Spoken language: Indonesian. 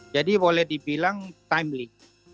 jadi boleh dibilang timely